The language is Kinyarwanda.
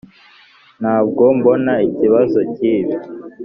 ntabwo mbona ikibazo cyibi.